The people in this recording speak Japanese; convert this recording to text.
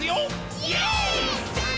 「イエーイ！！」